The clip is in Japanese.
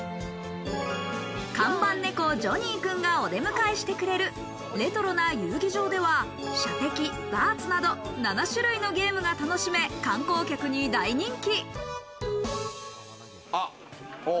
看板猫ジョニーくんがお出迎えしてくれるレトロな遊技場では射的、ダーツなど７種類のゲームが楽しめ、観光客に大人気。